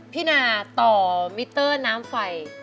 พี่นาต่อมิเตอร์น้ำไฟ